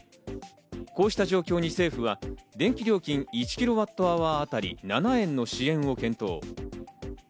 こうした状況に政府は電気料金１キロワットアワーあたり７円の支援を検討。